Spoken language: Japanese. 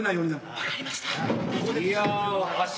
分かりました。